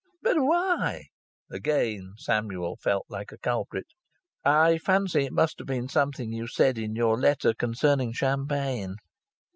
"But why?" Again Samuel felt like a culprit. "I fancy it must be something you said in your letter concerning champagne."